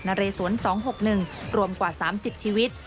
นรสวนสองหกหนึ่งรวมกว่าสามสิบชีวิต